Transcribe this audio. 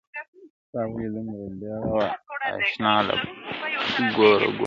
ستا ولي دومره بېړه وه اشنا له کوره ـ ګور ته.